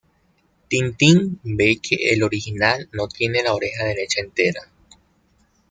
Tintín ve que el original no tiene la oreja derecha entera.